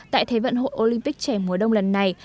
tại thế vận hội olympic trẻ mùa đông lần này